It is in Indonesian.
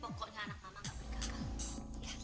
pokoknya anak mama gak boleh gagal